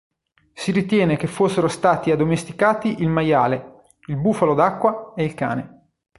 Si ritiene che fossero stati addomesticati il maiale, il bufalo d'acqua e il cane.